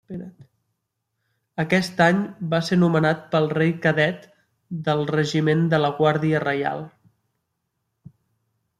Aquest any va ser nomenat pel rei cadet del regiment de la Guàrdia Reial.